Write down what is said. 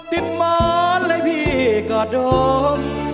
ติดมอดให้พี่กอดดม